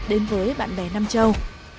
đến với bạn bè nam châu